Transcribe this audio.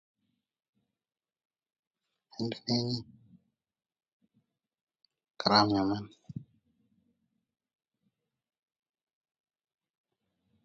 People speak Tagalog, Cebuano, Ilocano and Hiligaynon.